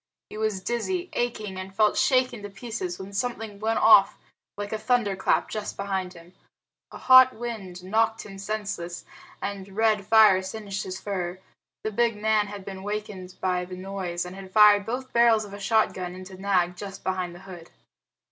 He was dizzy, aching, and felt shaken to pieces when something went off like a thunderclap just behind him. A hot wind knocked him senseless and red fire singed his fur. The big man had been wakened by the noise, and had fired both barrels of a shotgun into Nag just behind the hood.